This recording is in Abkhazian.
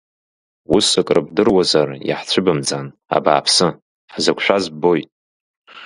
Ус акрыбдыруазар, иаҳцәыбымӡан, абааԥсы, ҳзықәшәаз ббоит!